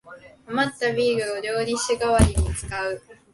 あまったビールを料理酒がわりに使う